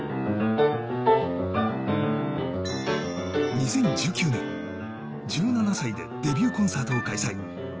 ２０１９年、１７歳でデビューコンサートを開催。